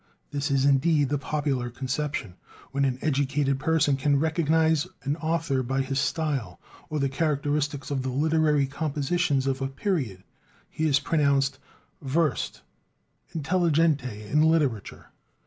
This is, indeed, the popular conception; when an educated person can recognize an author by his style, or the characteristics of the literary compositions of a period, he is pronounced "versed (intelligente) in literature."